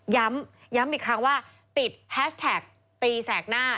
ย้ำย้ำอีกครั้งว่าติดแฮชแท็กตีแสกหน้า